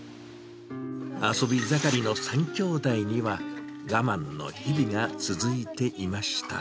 遊び盛りの３きょうだいには、我慢の日々が続いていました。